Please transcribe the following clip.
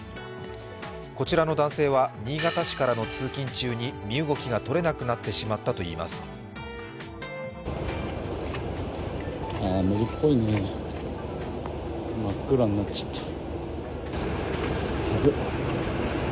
こちらの男性は、新潟市からの通勤中に身動きがとれなくなってしまったということです。